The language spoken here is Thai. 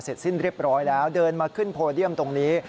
เสร็จสิ้นเรียบร้อยแล้วเดินมาขึ้นโพเดียมตรงนี้